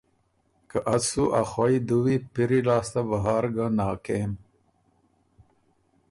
که از سُو ا خوَئ دُوی پِری لاسته بهر ګه ناکېم